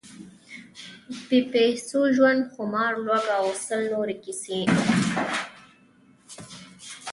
بې پیسو ژوند، خمار، لوږه… او سل نورې کیسې، د نستوه یو زړهٔ: